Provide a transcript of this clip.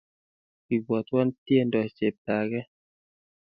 Ibwotwon tiendo cheptake